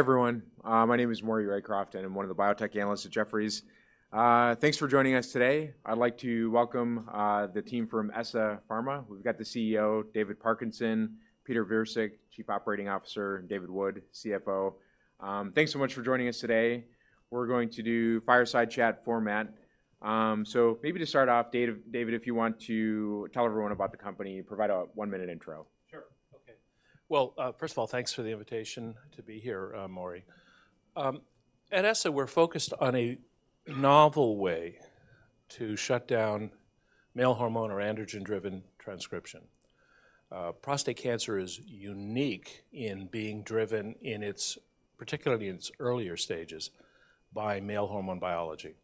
Everyone, my name is Maury Raycroft, and I'm one of the biotech analysts at Jefferies. Thanks for joining us today. I'd like to welcome the team from ESSA Pharma. We've got the CEO, David Parkinson, Peter Virsik, Chief Operating Officer, and David Wood, CFO. Thanks so much for joining us today. We're going to do fireside chat format. Maybe to start off, David, if you want to tell everyone about the company, provide a one-minute intro. Sure. Okay. Well, first of all, thanks for the invitation to be here, Maury. At ESSA, we're focused on a novel way to shut down male hormone or androgen-driven transcription. Prostate cancer is unique in being driven, particularly in its earlier stages, by male hormone biology.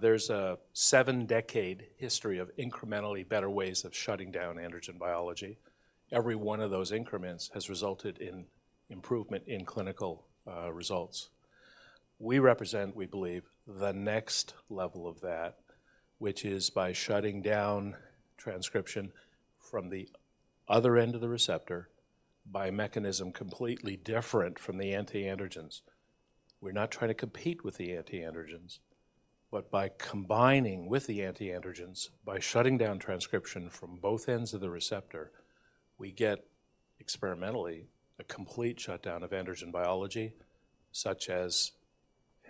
There's a seven-decade history of incrementally better ways of shutting down androgen biology. Every one of those increments has resulted in improvement in clinical results. We represent, we believe, the next level of that, which is by shutting down transcription from the other end of the receptor by a mechanism completely different from the antiandrogens. We're not trying to compete with the antiandrogens, but by combining with the antiandrogens, by shutting down transcription from both ends of the receptor, we get, experimentally, a complete shutdown of androgen biology such as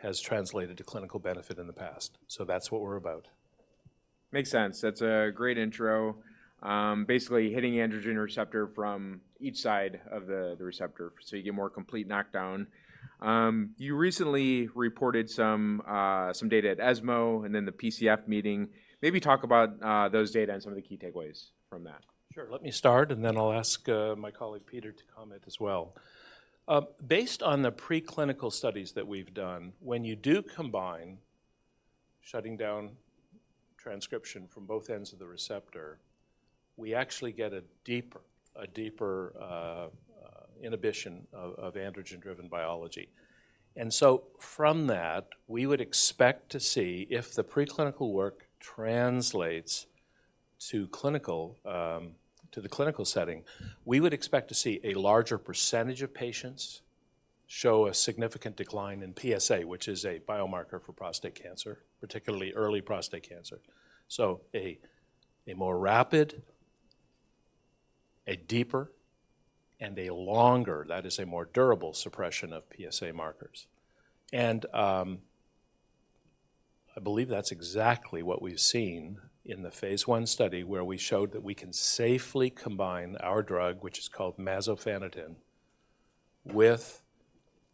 has translated to clinical benefit in the past. So that's what we're about. Makes sense. That's a great intro, basically hitting the androgen receptor from each side of the receptor so you get more complete knockdown. You recently reported some data at ESMO and then the PCF meeting. Maybe talk about those data and some of the key takeaways from that. Sure. Let me start, and then I'll ask my colleague Peter to comment as well. Based on the preclinical studies that we've done, when you do combine shutting down transcription from both ends of the receptor, we actually get a deeper inhibition of androgen-driven biology. And so from that, we would expect to see if the preclinical work translates to the clinical setting, we would expect to see a larger percentage of patients show a significant decline in PSA, which is a biomarker for prostate cancer, particularly early prostate cancer. So a more rapid, a deeper, and a longer, that is, a more durable, suppression of PSA markers. And I believe that's exactly what we've seen in the phase I study where we showed that we can safely combine our drug, which is called masofaniten, with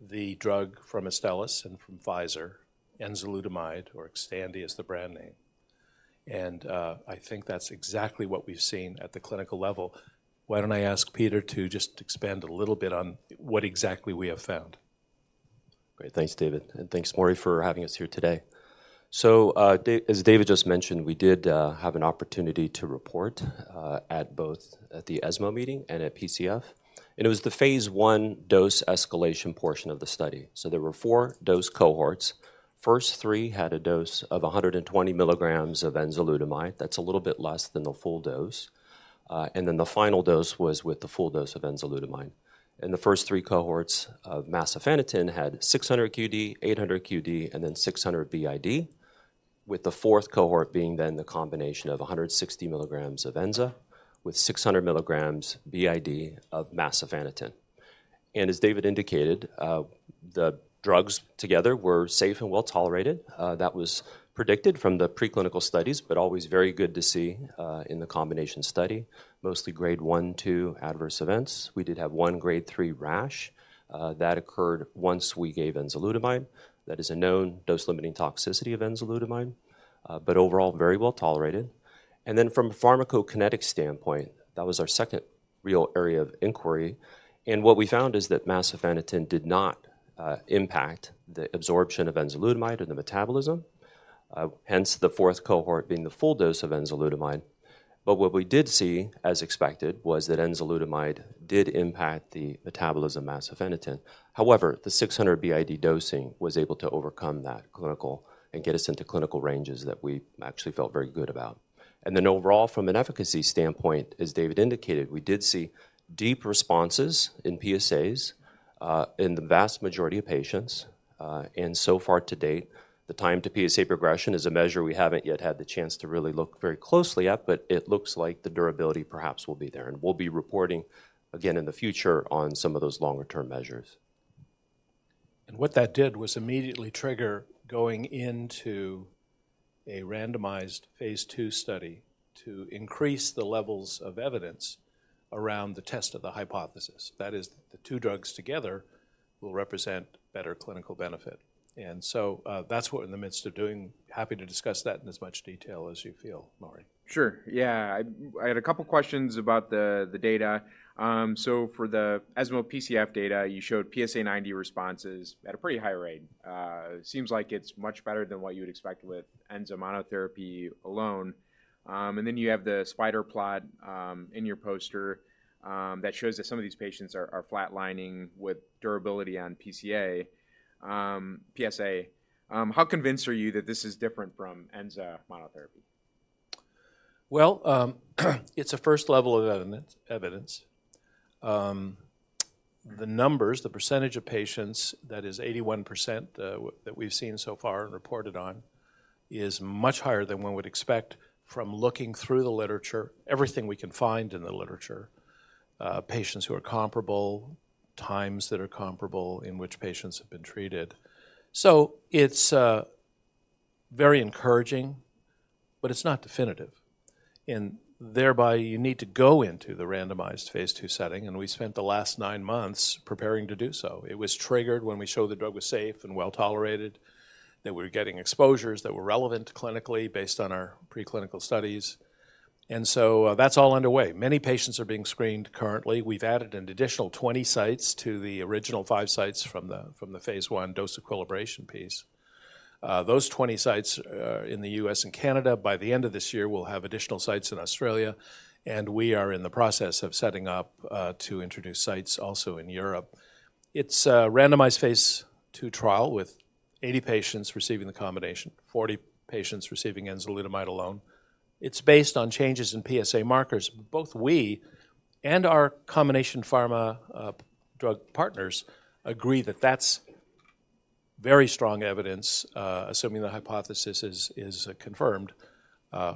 the drug from Astellas and from Pfizer, enzalutamide, or Xtandi is the brand name. And I think that's exactly what we've seen at the clinical level. Why don't I ask Peter to just expand a little bit on what exactly we have found? Great. Thanks, David. Thanks, Maury, for having us here today. As David just mentioned, we did have an opportunity to report at both the ESMO meeting and at PCF. It was the phase I dose escalation portion of the study. There were 4 dose cohorts. First three had a dose of 120 mg of enzalutamide. That's a little bit less than the full dose. The final dose was with the full dose of enzalutamide. The first three cohorts of masofaniten had 600 qd, 800 qd, and then 600 bid, with the fourth cohort being then the combination of 160 mg of enza with 600 mg bid of masofaniten. As David indicated, the drugs together were safe and well tolerated. That was predicted from the preclinical studies, but always very good to see in the combination study, mostly grade 1, 2 adverse events. We did have one grade 3 rash that occurred once we gave enzalutamide. That is a known dose-limiting toxicity of enzalutamide, but overall very well tolerated. Then from a pharmacokinetic standpoint, that was our second real area of inquiry. And what we found is that masofaniten did not impact the absorption of enzalutamide or the metabolism, hence the fourth cohort being the full dose of enzalutamide. But what we did see, as expected, was that enzalutamide did impact the metabolism of masofaniten. However, the 600 bid dosing was able to overcome that clinically and get us into clinical ranges that we actually felt very good about. Then overall, from an efficacy standpoint, as David indicated, we did see deep responses in PSAs in the vast majority of patients. So far to date, the time to PSA progression is a measure we haven't yet had the chance to really look very closely at, but it looks like the durability perhaps will be there. We'll be reporting again in the future on some of those longer-term measures. What that did was immediately trigger going into a randomized phase II study to increase the levels of evidence around the test of the hypothesis. That is, the two drugs together will represent better clinical benefit. And so that's what, in the midst of doing, happy to discuss that in as much detail as you feel, Maury. Sure. Yeah. I had a couple of questions about the data. For the ESMO PCF data, you showed PSA90 responses at a pretty high rate. Seems like it's much better than what you would expect with enza monotherapy alone. And then you have the spider plot in your poster that shows that some of these patients are flatlining with durability on PSA. How convinced are you that this is different from enza monotherapy? Well, it's a first level of evidence. The numbers, the percentage of patients, that is 81% that we've seen so far and reported on, is much higher than one would expect from looking through the literature, everything we can find in the literature, patients who are comparable, times that are comparable, in which patients have been treated. So it's very encouraging, but it's not definitive. Thereby, you need to go into the randomized phase II setting. We spent the last nine months preparing to do so. It was triggered when we showed the drug was safe and well tolerated, that we were getting exposures that were relevant clinically based on our preclinical studies. So that's all underway. Many patients are being screened currently. We've added an additional 20 sites to the original 5 sites from the phase I dose escalation piece. Those 20 sites are in the U.S. and Canada. By the end of this year, we'll have additional sites in Australia. We are in the process of setting up to introduce sites also in Europe. It's a randomized phase II trial with 80 patients receiving the combination, 40 patients receiving enzalutamide alone. It's based on changes in PSA markers. Both we and our combination pharma drug partners agree that that's very strong evidence, assuming the hypothesis is confirmed,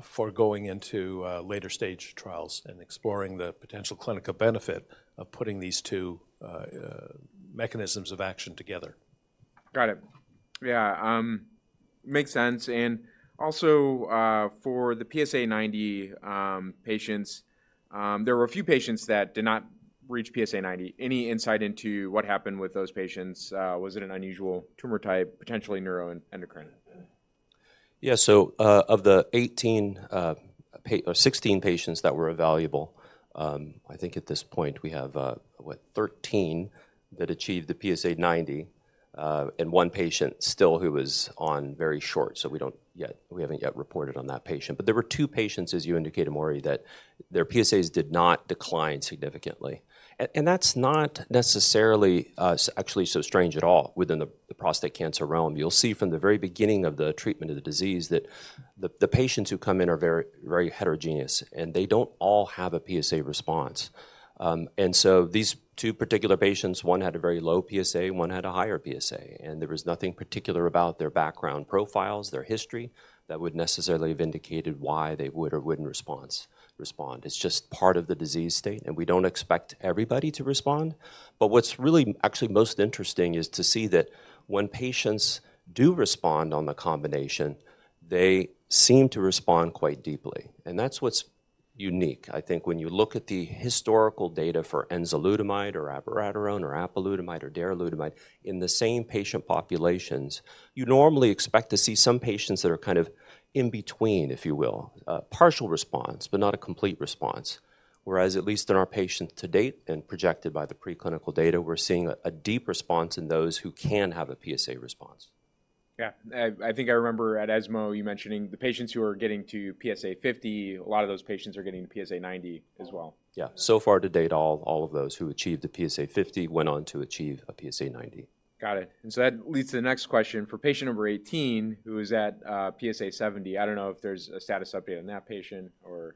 for going into later stage trials and exploring the potential clinical benefit of putting these two mechanisms of action together. Got it. Yeah. Makes sense. Also, for the PSA90 patients, there were a few patients that did not reach PSA90. Any insight into what happened with those patients? Was it an unusual tumor type, potentially neuroendocrine? Yeah. So of the 16 patients that were evaluable, I think at this point we have, what, 13 that achieved the PSA90 and one patient still who was on very short. So we haven't yet reported on that patient. But there were two patients, as you indicated, Maury, that their PSAs did not decline significantly. And that's not necessarily actually so strange at all within the prostate cancer realm. You'll see from the very beginning of the treatment of the disease that the patients who come in are very heterogeneous, and they don't all have a PSA response. And so these two particular patients, one had a very low PSA, one had a higher PSA. And there was nothing particular about their background profiles, their history, that would necessarily have indicated why they would or wouldn't respond. It's just part of the disease state. We don't expect everybody to respond. But what's really actually most interesting is to see that when patients do respond on the combination, they seem to respond quite deeply. That's what's unique. I think when you look at the historical data for enzalutamide or abiraterone or apalutamide or daralutamide in the same patient populations, you normally expect to see some patients that are kind of in between, if you will, partial response, but not a complete response. Whereas, at least in our patients to date and projected by the preclinical data, we're seeing a deep response in those who can have a PSA response. Yeah. I think I remember at ESMO you mentioning the patients who are getting to PSA50. A lot of those patients are getting to PSA90 as well. Yeah. So far to date, all of those who achieved the PSA50 went on to achieve a PSA90. Got it. And so that leads to the next question. For patient number 18, who is at PSA70, I don't know if there's a status update on that patient or.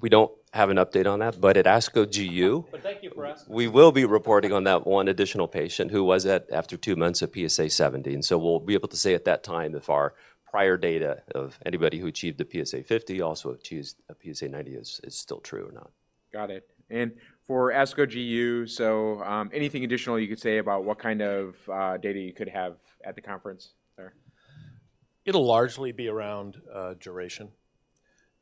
We don't have an update on that, but at ASCO-GU. But thank you for asking. We will be reporting on that one additional patient who was at, after two months, a PSA70. And so we'll be able to say at that time if our prior data of anybody who achieved the PSA50 also achieved a PSA90 is still true or not. Got it. And for ASCO-GU, so anything additional you could say about what kind of data you could have at the conference there? It'll largely be around duration.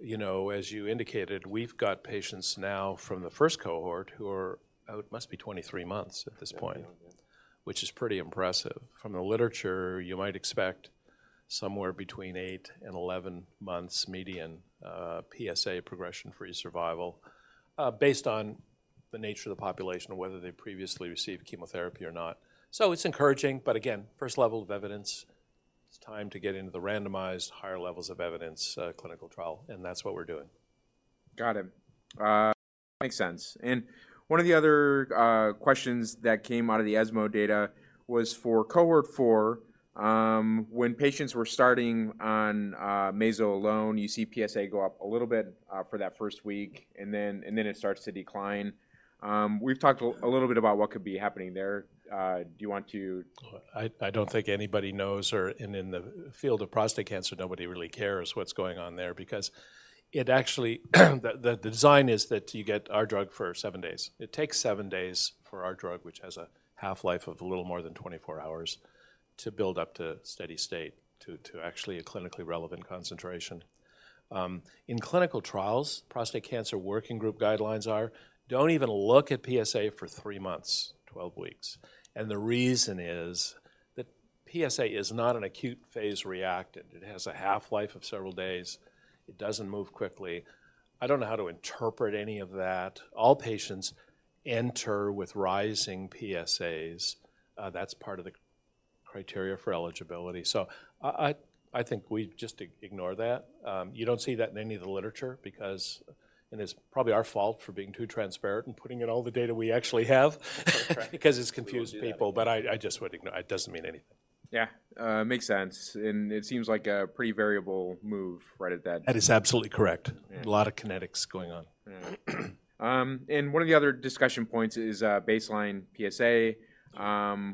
As you indicated, we've got patients now from the first cohort who are out, must be 23 months at this point, which is pretty impressive. From the literature, you might expect somewhere between eight and 11 months median PSA progression-free survival based on the nature of the population and whether they previously received chemotherapy or not. So it's encouraging. But again, first level of evidence, it's time to get into the randomized higher levels of evidence clinical trial. And that's what we're doing. Got it. Makes sense. One of the other questions that came out of the ESMO data was for cohort 4. When patients were starting on maso alone, you see PSA go up a little bit for that first week, and then it starts to decline. We've talked a little bit about what could be happening there. Do you want to. I don't think anybody knows. In the field of prostate cancer, nobody really cares what's going on there because the design is that you get our drug for 7 days. It takes 7 days for our drug, which has a half-life of a little more than 24 hours, to build up to steady state, to actually a clinically relevant concentration. In clinical trials, Prostate Cancer Working Group guidelines are, don't even look at PSA for three months, 12 weeks. The reason is that PSA is not an acute phase reactant. It has a half-life of several days. It doesn't move quickly. I don't know how to interpret any of that. All patients enter with rising PSAs. That's part of the criteria for eligibility. I think we just ignore that. You don't see that in any of the literature because, and it's probably our fault for being too transparent and putting in all the data we actually have because it's confused people. But I just would ignore it. It doesn't mean anything. Yeah. Makes sense. It seems like a pretty variable move right at that. That is absolutely correct. A lot of kinetics going on. One of the other discussion points is baseline PSA,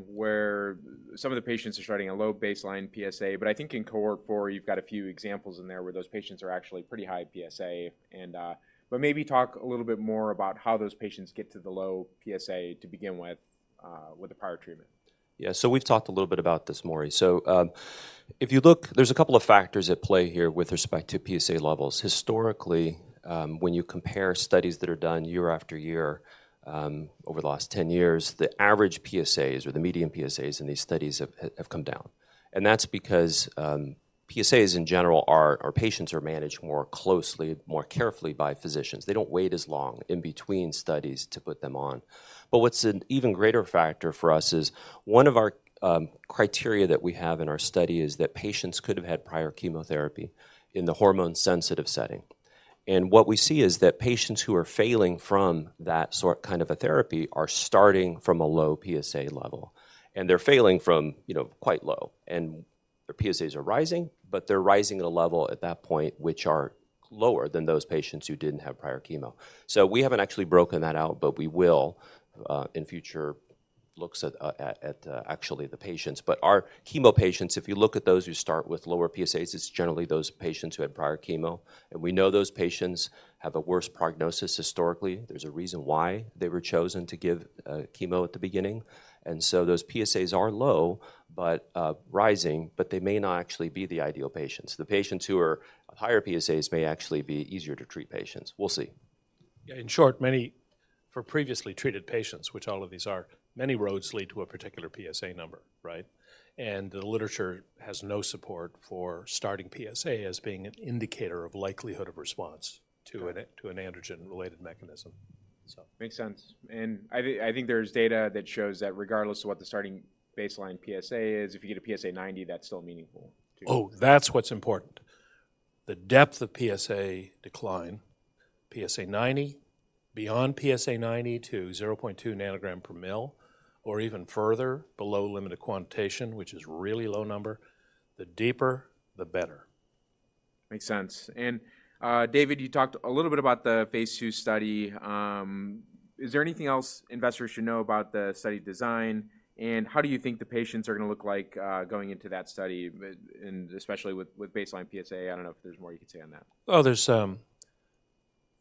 where some of the patients are starting a low baseline PSA. But I think in cohort 4, you've got a few examples in there where those patients are actually pretty high PSA. But maybe talk a little bit more about how those patients get to the low PSA to begin with with the prior treatment. Yeah. So we've talked a little bit about this, Maury. So if you look, there's a couple of factors at play here with respect to PSA levels. Historically, when you compare studies that are done year after year over the last 10 years, the average PSAs or the median PSAs in these studies have come down. And that's because PSAs, in general, our patients are managed more closely, more carefully by physicians. They don't wait as long in between studies to put them on. But what's an even greater factor for us is one of our criteria that we have in our study is that patients could have had prior chemotherapy in the hormone-sensitive setting. And what we see is that patients who are failing from that kind of a therapy are starting from a low PSA level. And they're failing from quite low. Their PSAs are rising, but they're rising at a level at that point which are lower than those patients who didn't have prior chemo. So we haven't actually broken that out, but we will in future looks at actually the patients. But our chemo patients, if you look at those who start with lower PSAs, it's generally those patients who had prior chemo. And we know those patients have a worse prognosis historically. There's a reason why they were chosen to give chemo at the beginning. And so those PSAs are low but rising, but they may not actually be the ideal patients. The patients who are higher PSAs may actually be easier to treat patients. We'll see. Yeah. In short, for previously treated patients, which all of these are, many roads lead to a particular PSA number, right? And the literature has no support for starting PSA as being an indicator of likelihood of response to an androgen-related mechanism. Makes sense. I think there's data that shows that regardless of what the starting baseline PSA is, if you get a PSA90, that's still meaningful. Oh, that's what's important. The depth of PSA decline, PSA90, beyond PSA90 to 0.2 ng/mL, or even further below limited quantitation, which is a really low number, the deeper, the better. Makes sense. And David, you talked a little bit about the phase II study. Is there anything else investors should know about the study design? And how do you think the patients are going to look like going into that study, especially with baseline PSA? I don't know if there's more you could say on that. Well,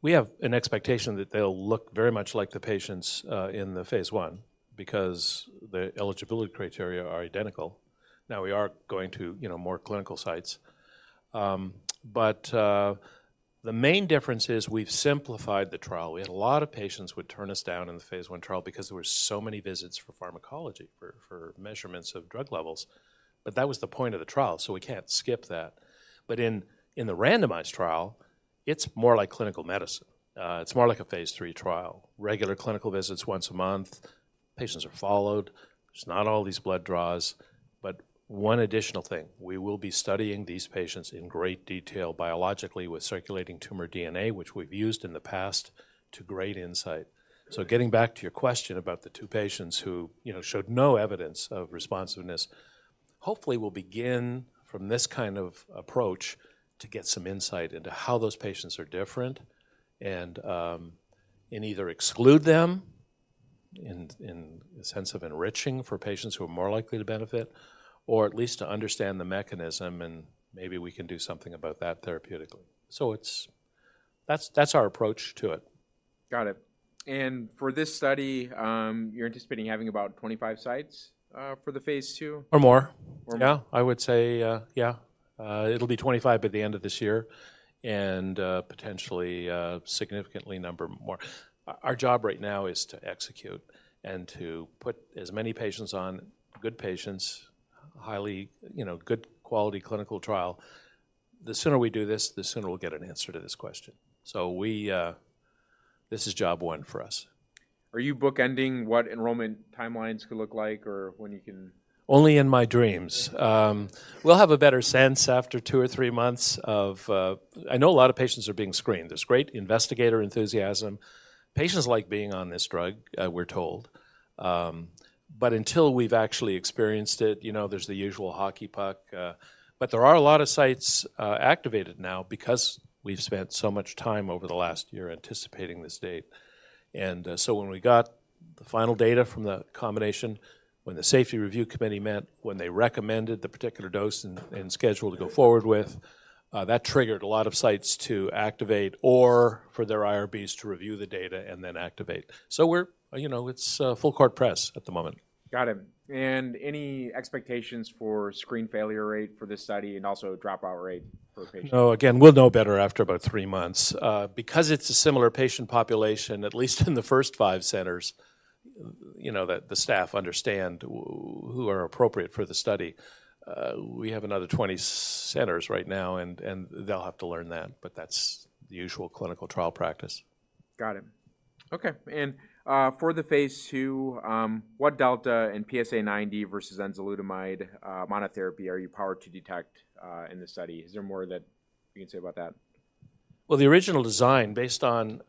we have an expectation that they'll look very much like the patients in the phase I because the eligibility criteria are identical. Now, we are going to more clinical sites. But the main difference is we've simplified the trial. We had a lot of patients would turn us down in the phase I trial because there were so many visits for pharmacology, for measurements of drug levels. But that was the point of the trial. So we can't skip that. But in the randomized trial, it's more like clinical medicine. It's more like a phase III trial, regular clinical visits once a month. Patients are followed. It's not all these blood draws. But one additional thing, we will be studying these patients in great detail biologically with circulating tumor DNA, which we've used in the past to great insight. So getting back to your question about the two patients who showed no evidence of responsiveness, hopefully we'll begin from this kind of approach to get some insight into how those patients are different and either exclude them in the sense of enriching for patients who are more likely to benefit, or at least to understand the mechanism, and maybe we can do something about that therapeutically. So that's our approach to it. Got it. And for this study, you're anticipating having about 25 sites for the phase II? Or more. Yeah, I would say, yeah. It'll be 25 at the end of this year and potentially significantly number more. Our job right now is to execute and to put as many patients on good patients, highly good quality clinical trial. The sooner we do this, the sooner we'll get an answer to this question. So this is job one for us. Are you bookending what enrollment timelines could look like or when you can? Only in my dreams. We'll have a better sense after two or three months. I know a lot of patients are being screened. There's great investigator enthusiasm. Patients like being on this drug, we're told. But until we've actually experienced it, there's the usual hockey puck. But there are a lot of sites activated now because we've spent so much time over the last year anticipating this date. So when we got the final data from the combination, when the safety review committee met, when they recommended the particular dose and schedule to go forward with, that triggered a lot of sites to activate or for their IRBs to review the data and then activate. So it's full-court press at the moment. Got it. Any expectations for screen failure rate for this study and also dropout rate for patients? No, again, we'll know better after about three months. Because it's a similar patient population, at least in the first 5 centers, the staff understand who are appropriate for the study. We have another 20 centers right now, and they'll have to learn that. But that's the usual clinical trial practice. Got it. Okay. For the phase II, what delta in PSA90 versus enzalutamide monotherapy are you powered to detect in the study? Is there more that you can say about that? Well, the original design based on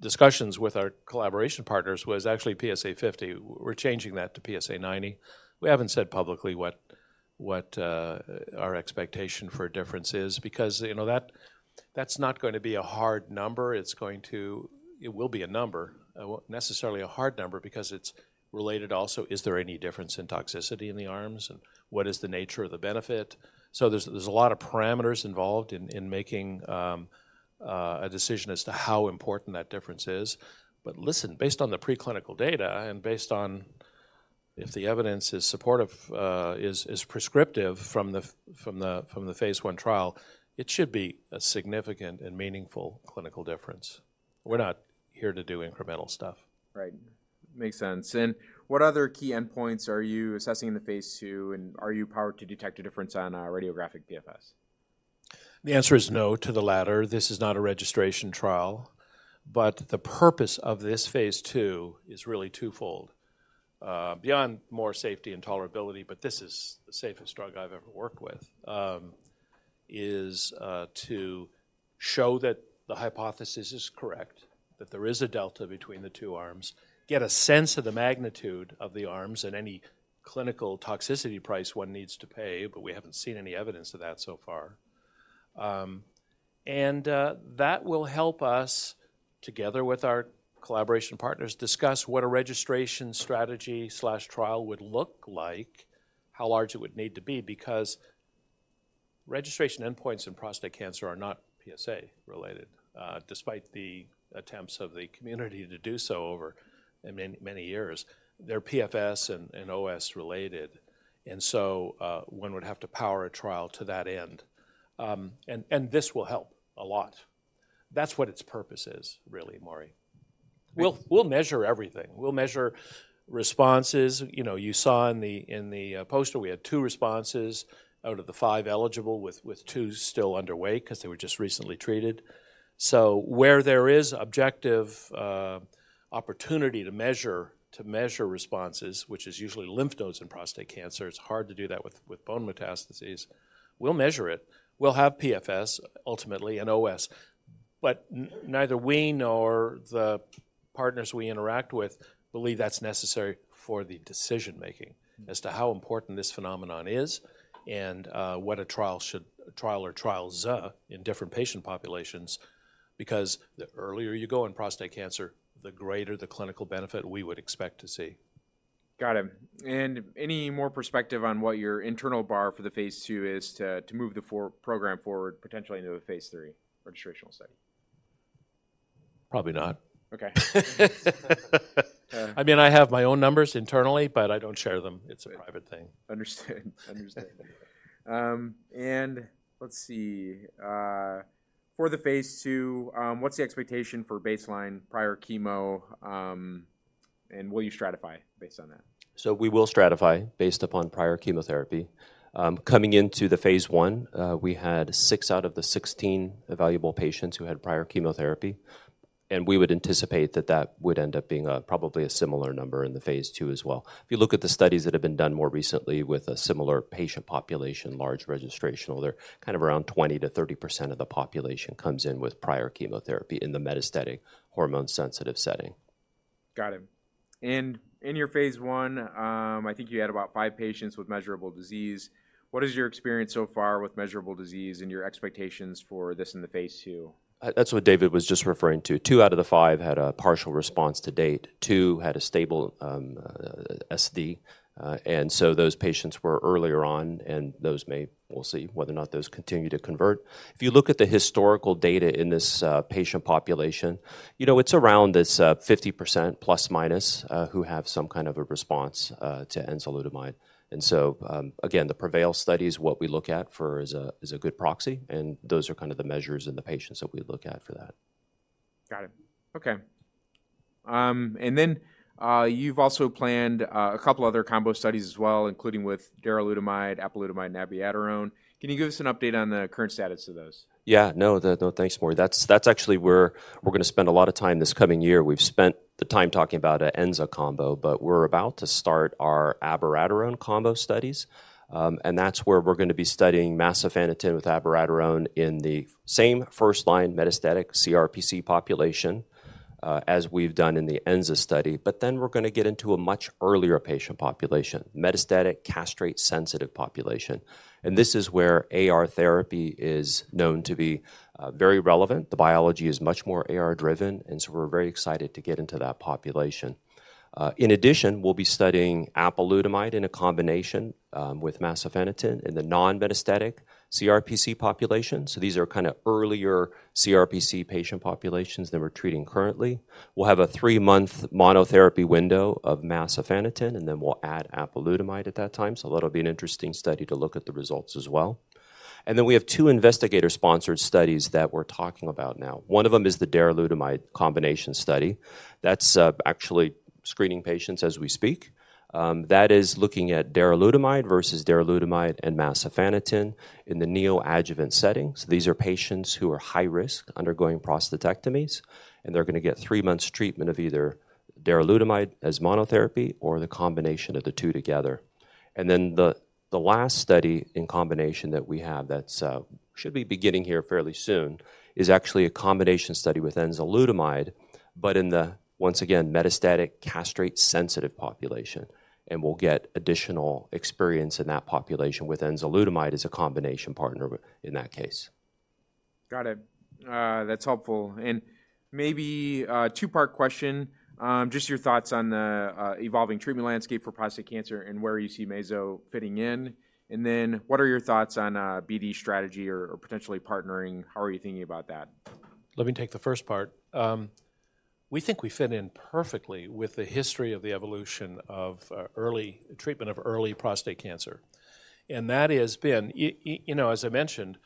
discussions with our collaboration partners was actually PSA50. We're changing that to PSA90. We haven't said publicly what our expectation for difference is because that's not going to be a hard number. It will be a number, necessarily a hard number because it's related also, is there any difference in toxicity in the arms and what is the nature of the benefit? So there's a lot of parameters involved in making a decision as to how important that difference is. But listen, based on the preclinical data and based on if the evidence is prescriptive from the phase I trial, it should be a significant and meaningful clinical difference. We're not here to do incremental stuff. Right. Makes sense. And what other key endpoints are you assessing in the phase II, and are you powered to detect a difference on radiographic DFS? The answer is no to the latter. This is not a registration trial. But the purpose of this phase II is really twofold. Beyond more safety and tolerability, but this is the safest drug I've ever worked with, is to show that the hypothesis is correct, that there is a delta between the 2 arms, get a sense of the magnitude of the arms and any clinical toxicity price one needs to pay, but we haven't seen any evidence of that so far. And that will help us, together with our collaboration partners, discuss what a registration strategy/trial would look like, how large it would need to be. Because registration endpoints in prostate cancer are not PSA-related. Despite the attempts of the community to do so over many years, they're PFS and OS-related. And so one would have to power a trial to that end. This will help a lot. That's what its purpose is, really, Maury. We'll measure everything. We'll measure responses. You saw in the poster, we had two responses out of the five eligible with two still underway because they were just recently treated. So where there is objective opportunity to measure responses, which is usually lymph nodes in prostate cancer, it's hard to do that with bone metastases. We'll measure it. We'll have PFS, ultimately, and OS. But neither we nor the partners we interact with believe that's necessary for the decision-making as to how important this phenomenon is and what a trial or trials in different patient populations. Because the earlier you go in prostate cancer, the greater the clinical benefit we would expect to see. Got it. Any more perspective on what your internal bar for the phase II is to move the program forward, potentially into a phase III registrational study? Probably not. Okay. I mean, I have my own numbers internally, but I don't share them. It's a private thing. Understood. Understood. Let's see. For the phase II, what's the expectation for baseline prior chemo? Will you stratify based on that? So we will stratify based upon prior chemotherapy. Coming into the phase I, we had 6 out of the 16 evaluable patients who had prior chemotherapy. And we would anticipate that that would end up being probably a similar number in the phase II as well. If you look at the studies that have been done more recently with a similar patient population, large registrational, they're kind of around 20%-30% of the population comes in with prior chemotherapy in the metastatic hormone-sensitive setting. Got it. In your phase I, I think you had about five patients with measurable disease. What is your experience so far with measurable disease and your expectations for this in the phase II? That's what David was just referring to. two out of the five had a partial response to date. two had a stable SD. And so those patients were earlier on, and we'll see whether or not those continue to convert. If you look at the historical data in this patient population, it's around this 50% plus-minus who have some kind of a response to enzalutamide. And so again, the PREVAIL studies, what we look at for is a good proxy. And those are kind of the measures and the patients that we look at for that. Got it. Okay. And then you've also planned a couple other combo studies as well, including with daralutamide, apalutamide, and abiraterone. Can you give us an update on the current status of those? Yeah. No, thanks, Maury. That's actually where we're going to spend a lot of time this coming year. We've spent the time talking about an ENZA combo, but we're about to start our abiraterone combo studies. And that's where we're going to be studying masofaniten with abiraterone in the same first-line metastatic CRPC population as we've done in the ENZA study. But then we're going to get into a much earlier patient population, metastatic castrate-sensitive population. And this is where AR therapy is known to be very relevant. The biology is much more AR-driven. And so we're very excited to get into that population. In addition, we'll be studying apalutamide in a combination with masofaniten in the non-metastatic CRPC population. So these are kind of earlier CRPC patient populations than we're treating currently. We'll have a three-month monotherapy window of masofaniten, and then we'll add apalutamide at that time. So that'll be an interesting study to look at the results as well. And then we have two investigator-sponsored studies that we're talking about now. One of them is the daralutamide combination study. That's actually screening patients as we speak. That is looking at daralutamide versus daralutamide and masofaniten in the neoadjuvant setting. So these are patients who are high-risk undergoing prostatectomies, and they're going to get three months' treatment of either daralutamide as monotherapy or the combination of the two together. And then the last study in combination that we have that should be beginning here fairly soon is actually a combination study with enzalutamide, but in the, once again, metastatic castrate-sensitive population. And we'll get additional experience in that population with enzalutamide as a combination partner in that case. Got it. That's helpful. And maybe a two-part question, just your thoughts on the evolving treatment landscape for prostate cancer and where you see masofaniten fitting in. And then what are your thoughts on BD strategy or potentially partnering? How are you thinking about that? Let me take the first part. We think we fit in perfectly with the history of the evolution of treatment of early prostate cancer. And that has been, as I mentioned,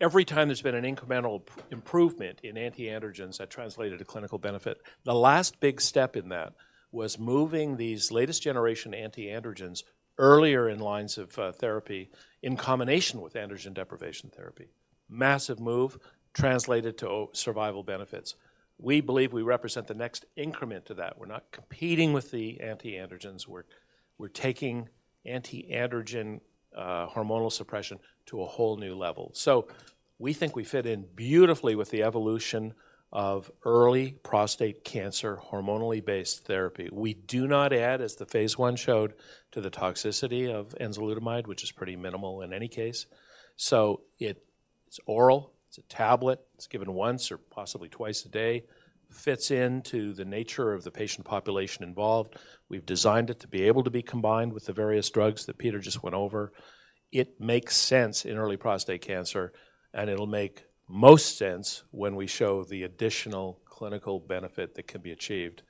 every time there's been an incremental improvement in antiandrogens that translated to clinical benefit, the last big step in that was moving these latest-generation antiandrogens earlier in lines of therapy in combination with androgen deprivation therapy. Massive move translated to survival benefits. We believe we represent the next increment to that. We're not competing with the antiandrogens. We're taking antiandrogen hormonal suppression to a whole new level. So we think we fit in beautifully with the evolution of early prostate cancer hormonally-based therapy. We do not add, as the phase I showed, to the toxicity of enzalutamide, which is pretty minimal in any case. So it's oral. It's a tablet. It's given once or possibly twice a day. It fits into the nature of the patient population involved. We've designed it to be able to be combined with the various drugs that Peter just went over. It makes sense in early prostate cancer, and it'll make most sense when we show the additional clinical benefit that can be achieved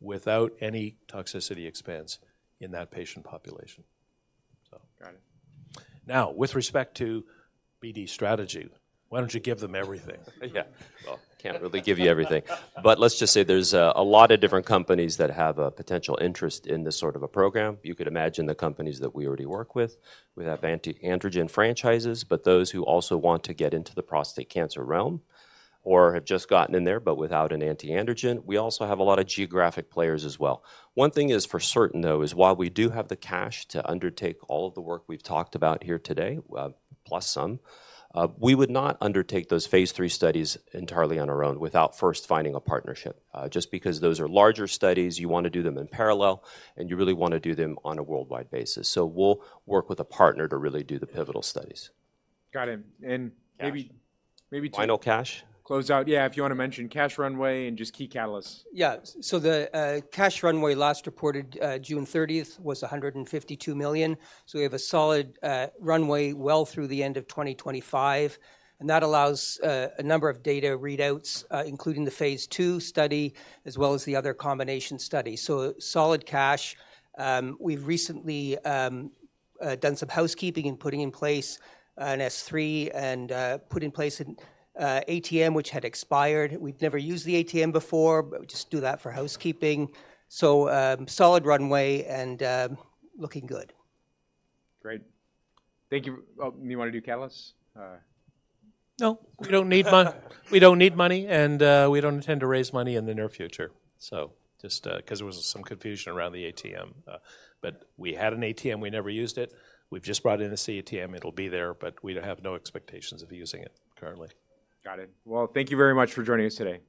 without any toxicity expense in that patient population. Got it. Now, with respect to BD strategy, why don't you give them everything? Yeah. Well, I can't really give you everything. But let's just say there's a lot of different companies that have a potential interest in this sort of a program. You could imagine the companies that we already work with. We have antiandrogen franchises, but those who also want to get into the prostate cancer realm or have just gotten in there, but without an antiandrogen, we also have a lot of geographic players as well. One thing is for certain, though, is while we do have the cash to undertake all of the work we've talked about here today, plus some, we would not undertake those phase III studies entirely on our own without first finding a partnership. Just because those are larger studies, you want to do them in parallel, and you really want to do them on a worldwide basis. So we'll work with a partner to really do the pivotal studies. Got it. And maybe two. Final cash? Close out. Yeah, if you want to mention cash runway and just key catalysts. Yeah. So the cash runway last reported June 30th was $152 million. So we have a solid runway well through the end of 2025. And that allows a number of data readouts, including the phase II study, as well as the other combination study. So solid cash. We've recently done some housekeeping and putting in place an S-3 and put in place an ATM, which had expired. We've never used the ATM before, but we just do that for housekeeping. So solid runway and looking good. Great. Thank you. You want to do catalysts? No, we don't need money. We don't need money, and we don't intend to raise money in the near future. So, just because there was some confusion around the ATM. But we had an ATM. We never used it. We've just brought in an ATM. It'll be there, but we have no expectations of using it currently. Got it. Well, thank you very much for joining us today.